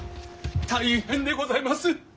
大変でございます！